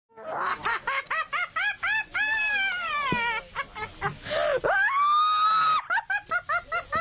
นี่ใคร